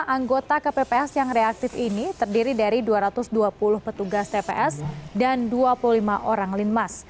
lima anggota kpps yang reaktif ini terdiri dari dua ratus dua puluh petugas tps dan dua puluh lima orang linmas